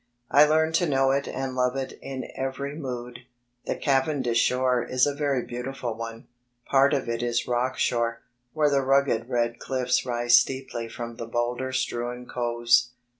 I learned to know it and love it in every mood. The Cavendish shore is a very beaudful one; part of it is rock shore, where the rugged red cliffs rise steeply from the boulder strewn coves.